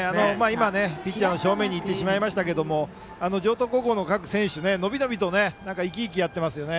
今はピッチャー正面に行ってしまいましたが城東高校の各選手、伸び伸びといきいきやっていますね。